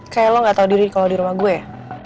kayak lo gak tahu diri kalau di rumah gue ya